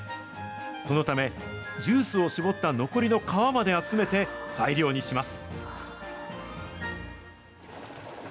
そのため、ジュースを搾った残りの皮まで集めて、材料にします。